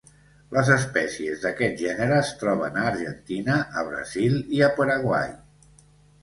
Les espècies d'aquest gènere es troben a Argentina, a Brasil i a Paraguai.